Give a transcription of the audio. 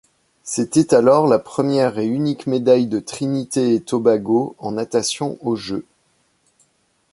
C'était alors la première et unique médaille de Trinité-et-Tobago en natation aux Jeux.